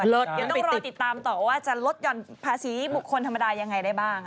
เดี๋ยวต้องรอติดตามต่อว่าจะลดหย่อนภาษีบุคคลธรรมดายังไงได้บ้าง